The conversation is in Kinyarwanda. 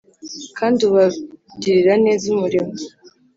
kandi Ubagirira neza Umurimo